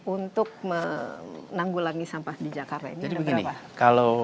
untuk menanggulangi sampah di jakarta ini ada berapa